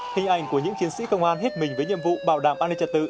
hình ảnh của những chiến sĩ công an hết mình với nhiệm vụ bảo đảm an ninh trật tự